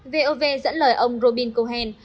vov dẫn lời ông robin cohen